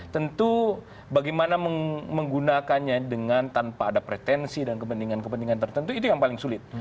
tentu bagaimana menggunakannya dengan tanpa ada pretensi dan kepentingan kepentingan tertentu itu yang paling sulit